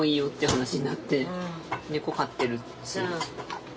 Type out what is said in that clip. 猫飼ってるし。